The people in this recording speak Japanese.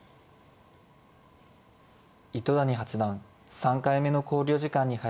糸谷八段３回目の考慮時間に入りました。